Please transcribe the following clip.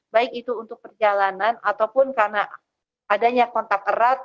baik itu untuk perjalanan ataupun karena adanya kontak erat